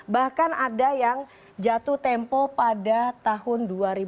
bahkan ada yang jatuh tempo pada tahun dua ribu dua